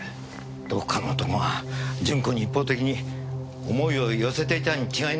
どこかの男が順子に一方的に思いを寄せていたに違いないんですよ。